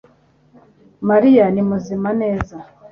mariya ni muzima. neza